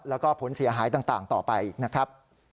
แล้วก็ผลเสียหายต่างต่อไปอีกนะครับ